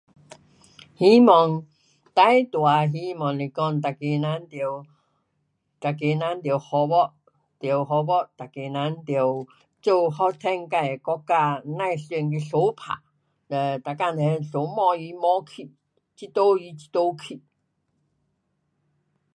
希望，最大的希望是讲每个人得，每个人得合作，合作，每个人得做发展自的国家。甭想去相打。嘞，每天在那相骂来骂去，嫉妒来嫉妒去。